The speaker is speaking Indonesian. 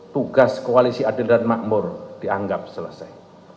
tugas koalisi adil dan makmur dianggap selesai